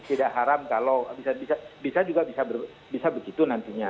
tidak haram kalau bisa juga bisa begitu nantinya